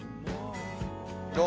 どう？